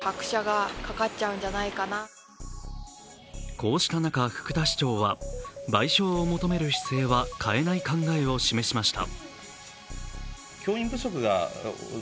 こうした中、福田市長は賠償を求める姿勢は変えない考えを示しました。